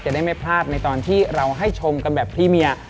ได้ไม่พลาดในตอนที่เราให้ชมกันแบบพี่เมีย